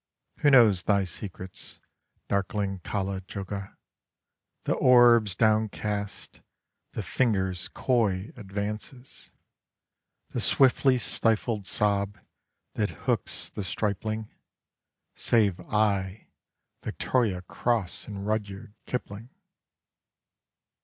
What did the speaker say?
(Who knows thy secrets, darkling Kala juggah The orbs downcast, the fingers' coy advances, The swiftly stifled sob that hooks the stripling Save I, Victoria Cross, and Rudyard Kipling!)